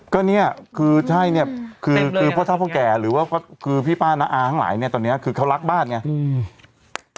ก็เนี่ยคือใช่เนี่ยคือคือพ่อเท่าพ่อแก่หรือว่าคือพี่ป้าน้าอาทั้งหลายเนี่ยตอนนี้คือเขารักบ้านไงอืม